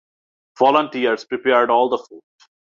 Volunteers prepared all the food.